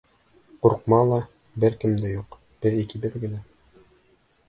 Ҡурҡма ла, бер кем дә юҡ, беҙ икебеҙ генә...